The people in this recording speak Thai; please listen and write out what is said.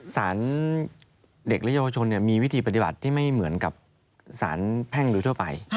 สารเด็กและเยาวชนมีวิธีปฏิบัติที่ไม่เหมือนกับสารแพ่งโดยทั่วไป